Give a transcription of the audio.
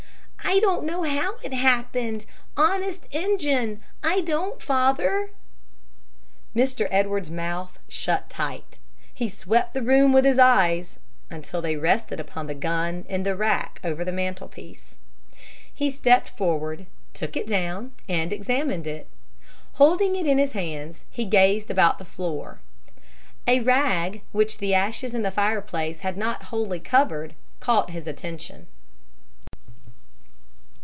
"I don't know how it happened, honest Injun I don't, father!" Mr. Edwards's mouth shut tight. He swept the room with his eyes until they rested upon the gun in the rack over the mantelpiece. He stepped forward, took it down, and examined it. Holding it in his hands, he gazed about the floor. A rag which the ashes in the fireplace had not wholly covered caught his attention.